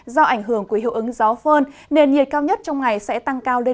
do ảnh hưởng của hiệu ứng gió phơn nền nhiệt cao nhất trong ngày sẽ tăng cao lên